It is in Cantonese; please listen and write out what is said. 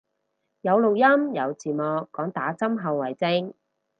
有錄音有字幕，講打針後遺症